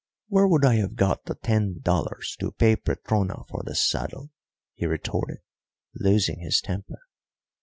"Where would I have got the ten dollars to pay Petrona for the saddle?" he retorted, losing his temper.